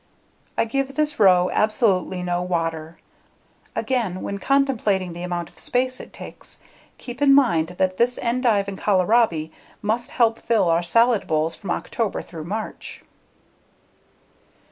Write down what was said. I give this row absolutely no water. Again, when contemplating the amount of space it takes, keep in mind that this endive and kohlrabi must help fill our salad bowls from October through March.